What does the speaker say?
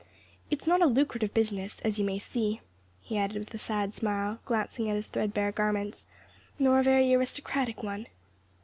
It's not a lucrative business, as you may see," he added with a sad smile, glancing at his threadbare garments, "nor a very aristocratic one."